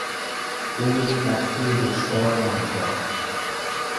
او یک قطعهی دشوار را نواخت.